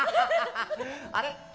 あれ？